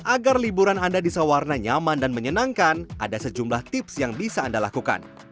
agar liburan anda di sawarna nyaman dan menyenangkan ada sejumlah tips yang bisa anda lakukan